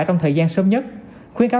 trong thời gian sớm nhất khuyến cáo